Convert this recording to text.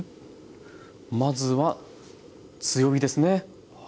まずは強火ですね。